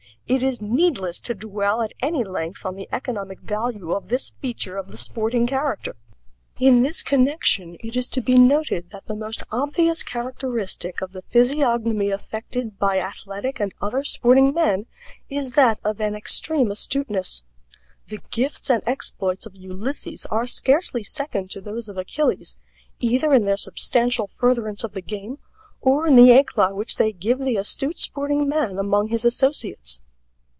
It is needless to dwell at any length on the economic value of this feature of the sporting character. In this connection it is to be noted that the most obvious characteristic of the physiognomy affected by athletic and other sporting men is that of an extreme astuteness. The gifts and exploits of Ulysses are scarcely second to those of Achilles, either in their substantial furtherance of the game or in the éclat which they give the astute sporting man among his associates.